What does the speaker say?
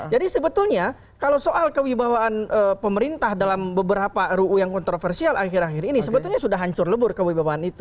jadi sebetulnya kalau soal kewibawaan pemerintah dalam beberapa ruu yang kontroversial akhir akhir ini sebetulnya sudah hancur lebur kewibawaan itu